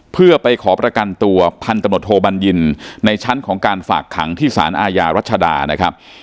เพื่อไปขอประกันตัวพันตำรวจโทบัญญินในชั้นของการฝากขังที่สารอาญารัชดานะครับ